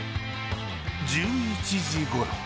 １１時ごろ。